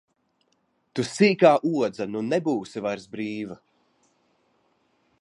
Tu sīkā odze, nu nebūsi vairs brīva!